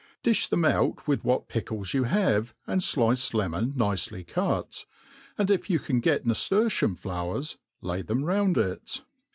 Difli them out with what pickles you have, and fliced kmon nicely cut ; and if you can get nailertium fiowers, lay them round it.